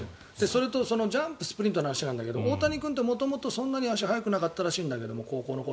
あと、ジャンプとスプリントの話なんだけど大谷君って元々そんなに足が速くなかったらしいんだけど高校の頃。